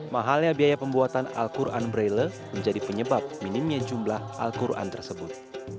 mahalnya biaya pembuatan al quran braille menjadi penyebab minimnya jumlah al quran tersebut